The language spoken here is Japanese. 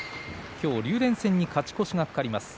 今日、竜電戦に勝ち越しが懸かります。